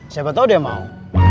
siapa tau dia mau